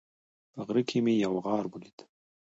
په غره کې مې یو غار ولید